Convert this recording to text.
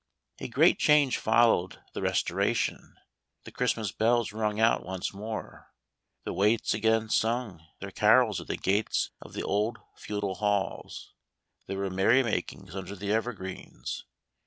A great change followed the Restoration. The Christ mas bells rung out once more. The waits again sung their carols at the gates of the old feudal halls. There were merry makings under the evergreens.